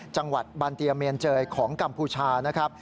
จังหวัดบันเตียเมนเจยของกัมพูชานะครับ